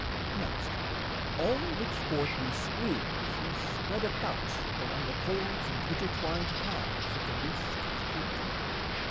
Next, all which forth we squeeze is spread about Along the pores and intertwined paths Of the loose textured tongue.